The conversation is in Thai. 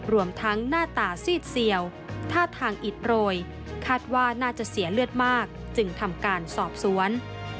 รวมทั้งหน้าตาซีดเสี่ยวท่าทางอิดโรยคาดว่าน่าจะเสียเลือดมากจึงทำการสอบสวน